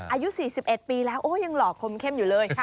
อายุ๔๑ปีแล้วโอ้ยังหล่อคมเข้มอยู่เลย